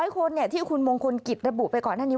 ๐คนที่คุณมงคลกิจระบุไปก่อนหน้านี้